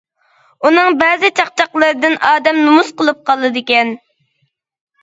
ئۇنىڭ بەزى چاقچاقلىرىدىن ئادەم نومۇس قىلىپ قالىدىكەن.